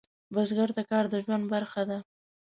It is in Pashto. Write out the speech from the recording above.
بزګر ته کار د ژوند برخه ده